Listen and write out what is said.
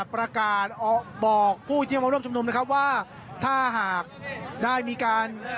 ประกาศบอกผู้ที่มาร่วมชุมนุมนะครับว่าถ้าหากได้มีการ